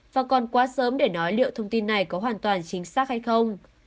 và còn quá sớm để nói liệu thông tin này có hoàn toàn chính xác hay không